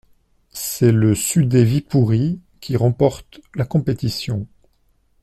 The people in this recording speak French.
C'est le Sudet Viipuri qui remporte la compétition.